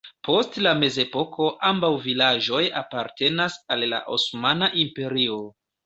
Post la mezepoko ambaŭ vilaĝoj apartenis al la Osmana Imperio.